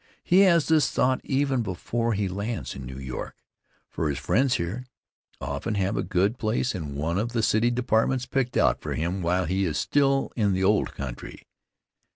He has this thought even before he lands in New York, for his friends here often have a good place in one of the city departments picked out for him while he is still in the old country.